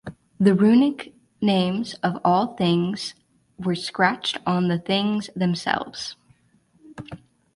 The runic names of all things were scratched on the things themselves.